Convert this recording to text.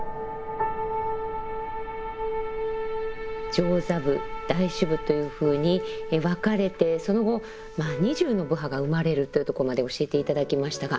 上座部大衆部というふうに分かれてその後２０の部派が生まれるというとこまで教えて頂きましたが。